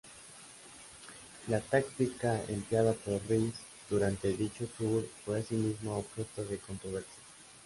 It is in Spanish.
La táctica empleada por Riis durante dicho Tour fue asimismo objeto de controversia.